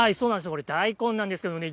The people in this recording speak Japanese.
これ、大根なんですけれどもね。